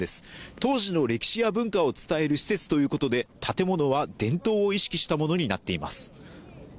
当時の歴史や文化を伝える施設ということで建物は伝統を意識したものになっています。